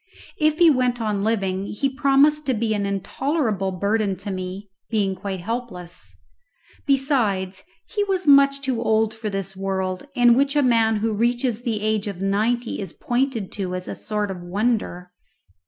If he went on living he promised to be an intolerable burden to me, being quite helpless. Besides, he was much too old for this world, in which a man who reaches the age of ninety is pointed to as a sort of wonder.